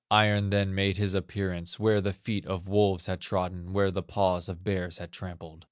Iron then made his appearance, Where the feet of wolves had trodden, Where the paws of bears had trampled.